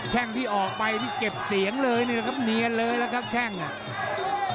แค่งที่ออกไปนี่เก็บเสียงเลยนี่แหละครับเนียนเลยล่ะครับแข้งอ่ะ